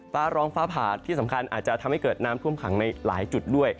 ฟ้าร้องฟ้าผ่าที่สำคัญอาจจะทำให้เกิดน้ำท่วมขังในหลายจุดด้วย